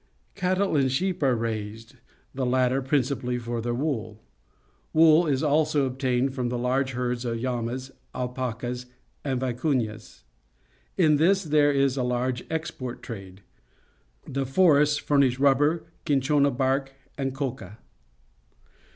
Cattle and sheep are raised, the latter principally for their wool. Wool is also obtained from the large herds of llamas, alpacas, and "vicunas. In this there is a large export trade. The forests furnish loibber, cinchona bark, and coca.